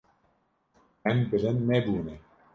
Em bilind nebûne.